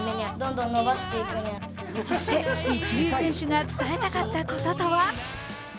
そして、一流選手が伝えたかったこととは？